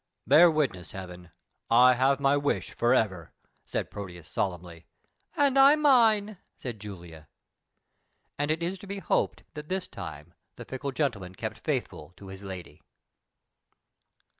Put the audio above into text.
"Bear witness, Heaven, I have my wish for ever!" said Proteus solemnly. "And I mine," said Julia. And it is to be hoped that this time the fickle gentleman kept faithful to his lady.